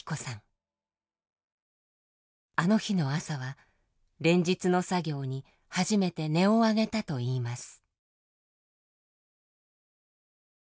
あの日の朝は連日の作業に初めて音を上げたといいます。